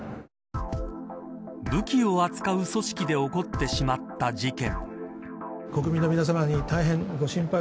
武器を扱う組織で起こってしまった事件。